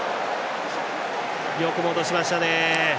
よく戻しましたね。